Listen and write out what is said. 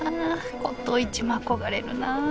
骨董市も憧れるなあ